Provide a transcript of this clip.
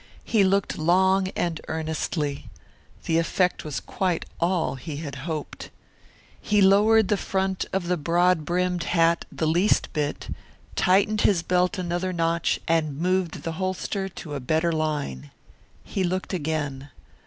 He looked long and earnestly. The effect was quite all he had hoped. He lowered the front of the broad brimmed hat the least bit, tightened his belt another notch and moved the holster to a better line. He looked again.